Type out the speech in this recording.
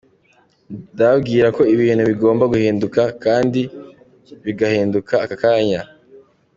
Ndababwira ko ibintu bigomba guhinduka, kandi bigahinduka aka kanya.